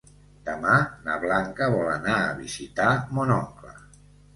Demà na Blanca vol anar a visitar mon oncle.